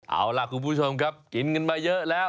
เอาล่ะคุณผู้ชมครับกินกันมาเยอะแล้ว